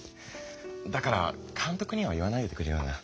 だからかんとくには言わないでくれよな。